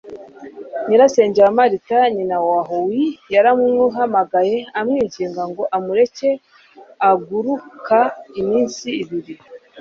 Nyirasenge wa Martha, nyina wa Howie, yaramuhamagaye amwinginga ngo amureke aguruka iminsi ibiri.